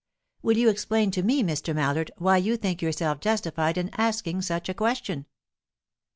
"Will you explain to me, Mr. Mallard, why you think yourself justified in asking such a question?"